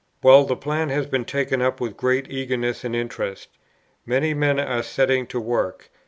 "Well, the plan has been taken up with great eagerness and interest. Many men are setting to work.